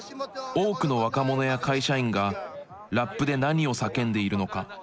多くの若者や会社員がラップで何を叫んでいるのか。